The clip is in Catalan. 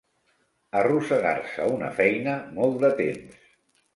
Arrossegar-se una feina molt de temps.